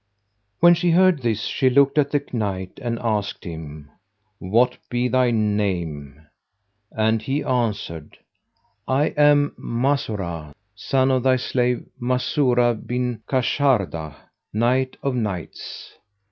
When she heard this, she looked at the Knight and asked him, "What be thy name?" and he answered, "I am Másúrah, son of thy slave Mausúrah bin Káshardah, Knight of Knights."